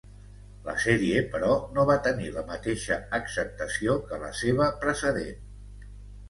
La sèrie però, no va tenir la mateixa acceptació que la seva precedent.